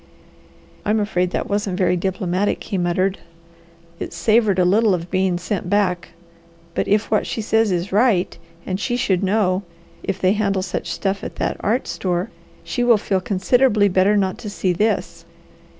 "I'm afraid that wasn't very diplomatic," he muttered. "It savoured a little of being sent back. But if what she says is right, and she should know if they handle such stuff at that art store, she will feel considerably better not to see this."